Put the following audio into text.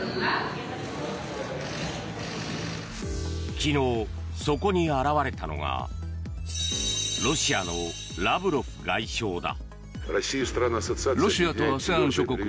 昨日、そこに現れたのがロシアのラブロフ外相だ。